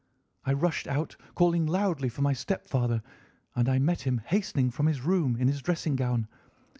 I rushed out, calling loudly for my stepfather, and I met him hastening from his room in his dressing gown.